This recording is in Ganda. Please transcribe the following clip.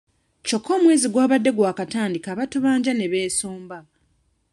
Kyokka omwezi gw'abadde gwakatandika abatubanja ne beesomba.